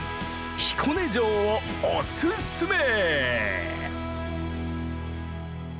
彦根城をおすすめ！